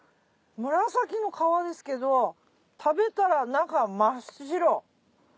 紫の皮ですけど食べたら中真っ白。